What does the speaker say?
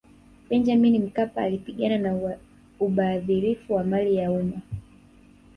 benjamini mkapa alipigana na ubadhirifu wa mali ya umma